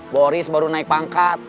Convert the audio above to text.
boris baru naik pangkat